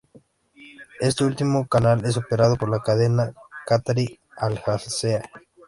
Este último canal es operado por la cadena catarí Al Jazeera.